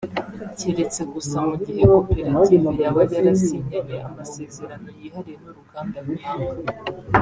keretse gusa mu gihe koperative yaba yarasinyanye amasezerano yihariye n’uruganda runaka